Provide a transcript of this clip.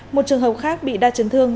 một trường hợp khác bị đa chấn thương